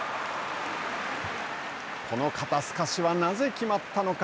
この肩透かしはなぜ決まったのか。